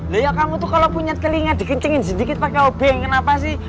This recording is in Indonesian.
leya kamu tuh kalau punya telinga dikencingin sedikit pakai obi yang kenapa sih